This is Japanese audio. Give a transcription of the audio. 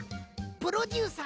プロデューサー？